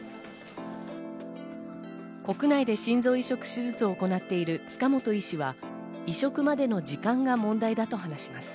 国内で心臓移植手術を行っている塚本医師は移植までの時間が問題だと話します。